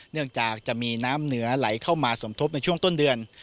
เนื่องจากจะมีน้ำเหนือไหลเข้ามาสมทบในช่วงต้นเดือน